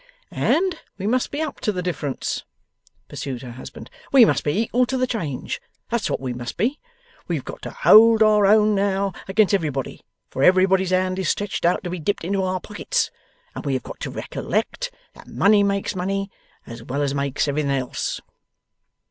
'And we must be up to the difference,' pursued her husband; 'we must be equal to the change; that's what we must be. We've got to hold our own now, against everybody (for everybody's hand is stretched out to be dipped into our pockets), and we have got to recollect that money makes money, as well as makes everything else.